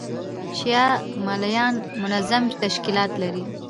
شیعه مُلایان منظم تشکیلات لري.